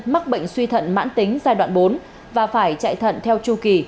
mắc bệnh suy thận mãn tính giai đoạn bốn và phải chạy thận theo chu kỳ